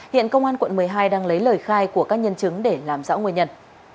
hiện công an quận một mươi hai đang lấy lời khai của các nhân chứng để làm rõ nguyên nhân